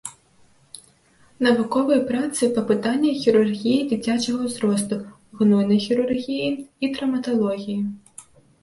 Навуковыя працы па пытаннях хірургіі дзіцячага ўзросту, гнойнай хірургіі і траўматалогіі.